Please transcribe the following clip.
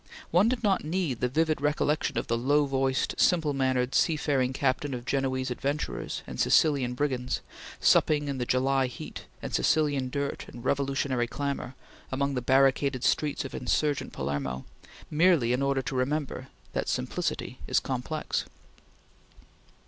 One did not need the vivid recollection of the low voiced, simple mannered, seafaring captain of Genoese adventurers and Sicilian brigands, supping in the July heat and Sicilian dirt and revolutionary clamor, among the barricaded streets of insurgent Palermo, merely in order to remember that simplicity is complex.